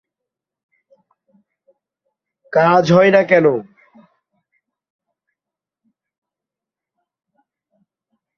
তিনি মার্কারি সংবাদপত্রে কাজ করেন।